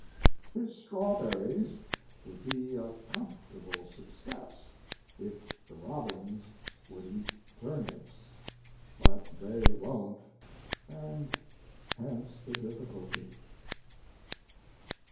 "His strawberries would be a comfort able success if the robins would eat tur nips, but they won t, and hence the difficulty."